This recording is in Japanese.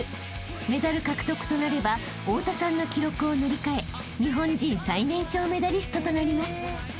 ［メダル獲得となれば太田さんの記録を塗り替え日本人最年少メダリストとなります］